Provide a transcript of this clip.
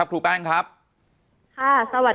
แต่คุณยายจะขอย้ายโรงเรียน